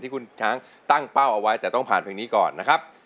คุณช้างตั้งเป้าเอาไว้แต่ต้องผ่านเพลงนี้ก่อนนะครับ